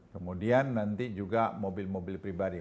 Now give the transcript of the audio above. kemudian nanti juga mobil mobil pribadi